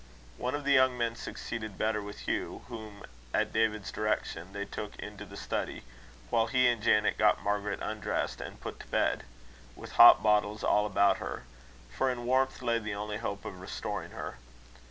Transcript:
One of the young men succeeded better with Hugh, whom at David's direction they took into the study; while he and Janet got Margaret undressed and put to bed, with hot bottles all about her; for in warmth lay the only hope of restoring her.